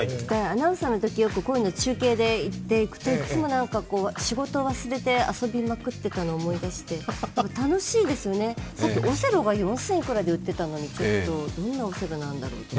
アナウンサーのとき、こういうのよく中継で行くと、行くといつも仕事を忘れて遊びまくっていたのを思い出して楽しいですよね、さっきオセロが四千いくらで売っていたけどどんなオセロなんだろうと。